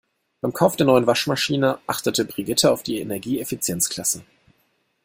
Beim Kauf der neuen Waschmaschine achtete Brigitte auf die Energieeffizienzklasse.